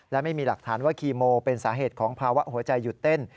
และไม่มีหลักฐานว่าคีโมเป็นสาเหตุของภาวะหัวใจหยุดเต้น